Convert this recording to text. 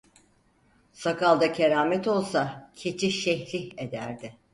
Sakalda keramet olsa, keçi şeyhlik ederdi.